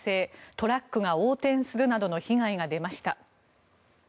トラックが横転するなどの被害が出ました。